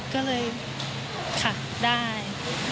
ก็เลยขาดได้